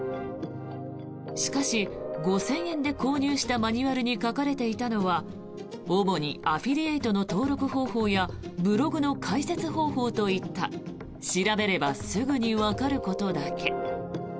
しかし、５０００円で購入したマニュアルに書かれていたのは主にアフィリエイトの登録方法やブログの開設方法といった調べればすぐにわかることだけ。